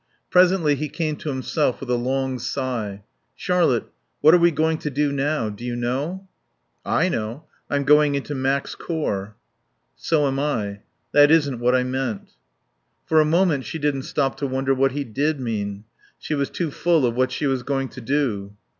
Presently he came to himself with a long sigh "Charlotte, what are we going to do now? Do you know?" "I know. I'm going into Mac's corps." "So am I. That isn't what I meant." For a moment she didn't stop to wonder what he did mean. She was too full of what she was going to do.